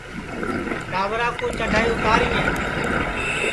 ٹاٻرا کُو چڈھائی اُتاریں